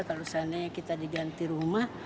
kalau seandainya kita diganti rumah